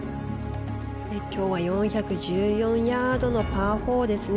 今日は４１４ヤードのパー４ですね。